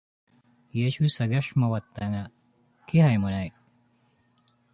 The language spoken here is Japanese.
家中探しまわったが気配もない。